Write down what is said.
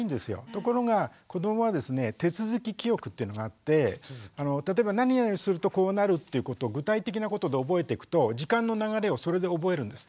ところが子どもはですね手続き記憶っていうのがあって例えば何々するとこうなるっていうことを具体的なことで覚えてくと時間の流れをそれで覚えるんです。